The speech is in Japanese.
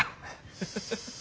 フフフフッ。